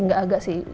gak agak sih